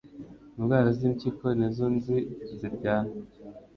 indwara z'impyiko nizo nzi ziryana